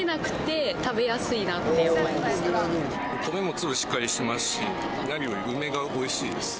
米も粒しっかりしてますし何より梅がおいしいです。